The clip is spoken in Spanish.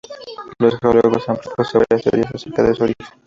Los geólogos han propuesto varias teorías acerca de su origen.